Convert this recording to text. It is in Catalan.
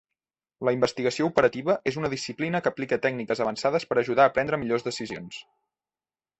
La investigació operativa és una disciplina que aplica tècniques avançades per ajudar a prendre millors decisions.